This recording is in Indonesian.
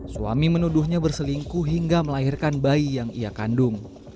suami menuduhnya berselingkuh hingga melahirkan bayi yang ia kandung